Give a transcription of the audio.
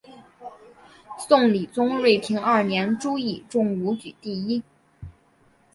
宋理宗端平二年朱熠中武举第一。